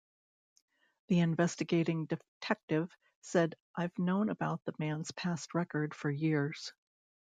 The investigating detective said I've known about the man's past record for years.